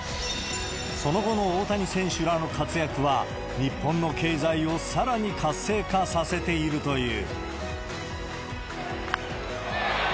その後の大谷選手らの活躍は、日本の経済をさらに活性化させているという。